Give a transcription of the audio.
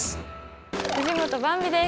藤本ばんびです。